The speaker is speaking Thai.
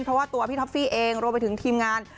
เพราะว่าตัวพี่ท็อฟฟี่เองรวมไปถึงทีมงาน